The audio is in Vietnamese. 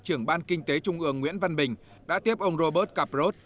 trưởng ban kinh tế trung ương nguyễn văn bình đã tiếp ông robert caprot